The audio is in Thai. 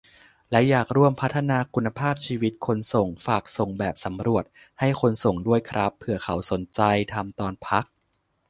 และอยากร่วมพัฒนาคุณภาพชีวิตคนส่ง - ฝากส่งแบบสำรวจ ให้คนส่งด้วยครับ เผื่อเขาสนใจทำตอนพัก